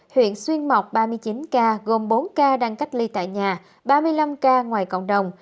huyện xuyên mộc ba mươi chín ca gồm bốn ca đang cách ly tại nhà ba mươi năm ca ngoài cộng đồng